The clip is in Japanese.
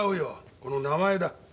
この名前だ。